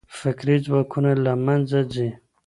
فکري ځواکونه له منځه ځي.